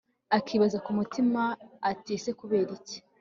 akibaza kumutima ati ese kukuberiki